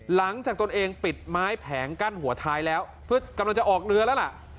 หลังจากตนเองปิดไม้แผงกั้นหัวท้ายแล้วกำลังจะออกเรือแล้วล่ะ